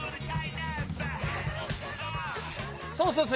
そうそうそう！